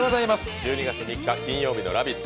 １２月３日金曜日の「ラヴィット！」